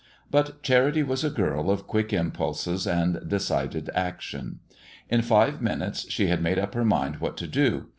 But Charity was a girl of quick impulses and decided action. In five minutes she had made up her mind what to do.